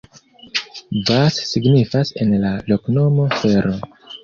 Vas signifas en la loknomo: fero.